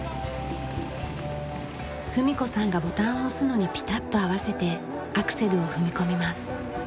文子さんがボタンを押すのにピタッと合わせてアクセルを踏み込みます。